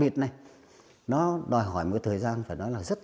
cây sáo vỗ vẫn gần với dân gian